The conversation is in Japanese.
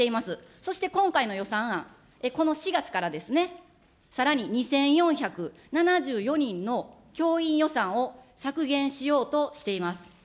そして今回の予算案、この４月からですね、さらに２４７４人の教員予算を削減しようとしています。